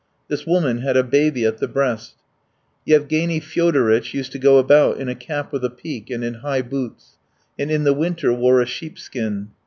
This woman had a baby at the breast. Yevgeny Fyodoritch used to go about in a cap with a peak, and in high boots, and in the winter wore a sheepskin.